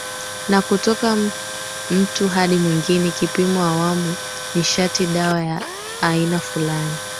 na kutoka mtu hadi mwingine Kipimo awamu nishatidawa ya aina fulani